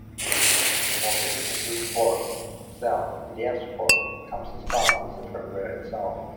Office which includes Word, excel and pdf support comes installed with the firmware itself.